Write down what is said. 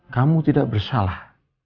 kamu tidak bersalah